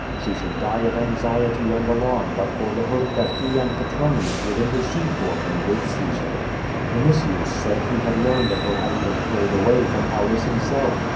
She should die of anxiety and alarm but for the hope that he and Petronius would intercede for her with Caejar. Yinitius said he had learned of her having been carried away from Aulus himself.